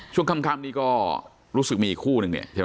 ช่วงค่ำนี่ก็รู้สึกมีอีกคู่นึงเนี่ยใช่ไหม